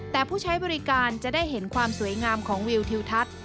แต่ผู้ใช้บริการจะได้เห็นความสวยงามของวิวทิวทัศน์